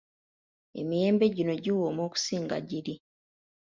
Emiyembe gino giwooma okusinga giri.